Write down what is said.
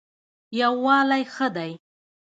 یووالی ښه دی.